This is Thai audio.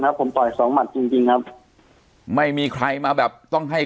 ผมต่อยสองหมัดจริงจริงครับไม่มีใครมาแบบต้องให้